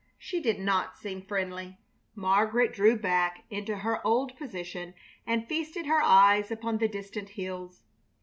She did not seem friendly. Margaret drew back into her old position and feasted her eyes upon the distant hills.